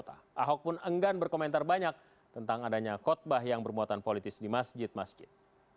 ahok pun enggan berkomentar banyak tentang adanya khutbah yang bermuatan politis di masjid masjid